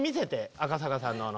赤坂さんの。